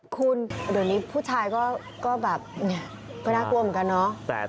คุณเดี๋ยวนี้ผู้ชายก็แบบเนี่ยก็น่ากลัวเหมือนกันเนาะ